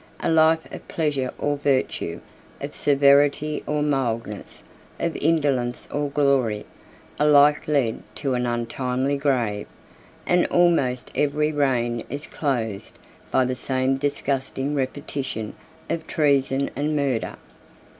A life of pleasure or virtue, of severity or mildness, of indolence or glory, alike led to an untimely grave; and almost every reign is closed by the same disgusting repetition of treason and murder.